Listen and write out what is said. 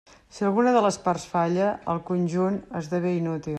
Si alguna de les parts falla, el conjunt esdevé inútil.